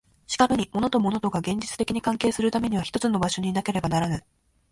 しかるに物と物とが現実的に関係するためには一つの場所になければならぬ。